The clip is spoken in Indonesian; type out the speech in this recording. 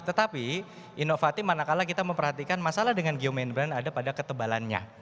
tetapi inovatif manakala kita memperhatikan masalah dengan geomed brand ada pada ketebalannya